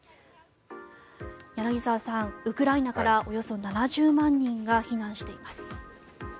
柳澤さん、ウクライナからおよそ７０万人が避難しています。